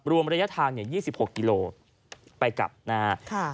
รวมระยะทาง๒๖กิโลไปกลับนะครับ